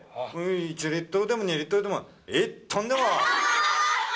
１リットルでも２リットルでも１トンでも！